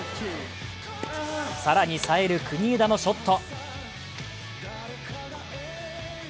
更に、さえる国枝のショット。